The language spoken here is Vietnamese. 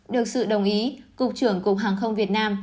được sự đồng ý cục trưởng cục hàng không việt nam